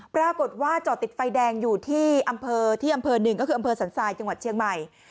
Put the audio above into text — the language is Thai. ปรากฏว่าจอดติดไฟแดงอยู่ที่อำเภอที่อำเภอหนึ่งก็คืออำเภอสันทรายจังหวัดเชียงใหม่